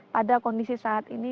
pada kondisi saat ini